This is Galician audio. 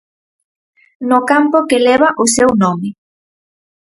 No campo que leva o seu nome.